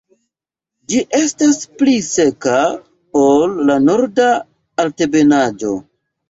Ĝi estas pli seka ol la Norda Altebenaĵo.